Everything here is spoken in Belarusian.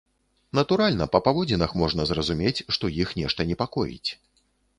Натуральна, па паводзінах можна зразумець, што іх нешта непакоіць.